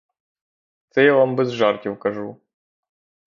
Це я вам без жартів кажу.